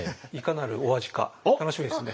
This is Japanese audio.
楽しみですね。